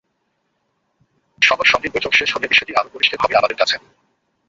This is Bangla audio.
সবার সঙ্গে বৈঠক শেষ হলে বিষয়টি আরও পরিষ্কার হবে আমাদের কাছে।